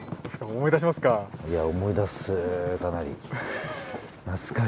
思い出しますか？